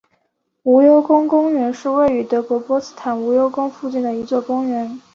无忧宫公园是位于德国波茨坦无忧宫附近的一座公园。